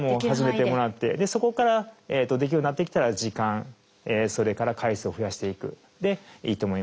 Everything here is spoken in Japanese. そこからできるようになってきたら時間それから回数を増やしていくでいいと思います。